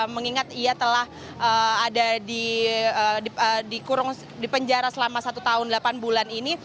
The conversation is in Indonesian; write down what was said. mengingat ia telah ada di penjara selama satu tahun delapan bulan ini